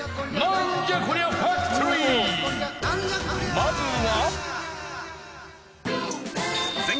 まずは。